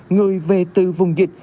người về từ vùng diện